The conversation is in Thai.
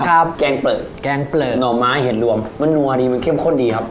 แกงเปลือกแกงเปลือกหน่อไม้เห็ดรวมมันนัวดีมันเข้มข้นดีครับ